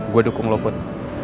gue dukung lo bud